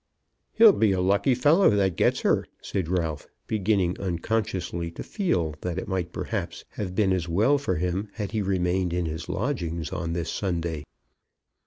"He'll be a lucky fellow that gets her," said Ralph, beginning unconsciously to feel that it might perhaps have been as well for him had he remained in his lodgings on this Sunday.